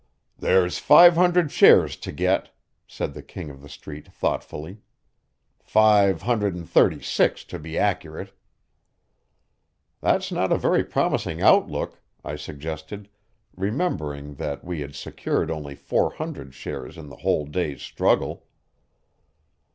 "There's five hundred shares to get," said the King of the Street thoughtfully; "five hundred and thirty six, to be accurate." "That's not a very promising outlook," I suggested, remembering that we had secured only four hundred shares in the whole day's struggle.